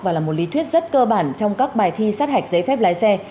sau một tháng hoạt động trở lại